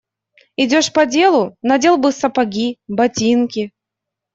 Идешь по делу – надел бы сапоги, ботинки.